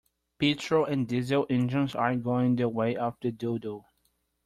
Petrol and Diesel engines are going the way of the dodo.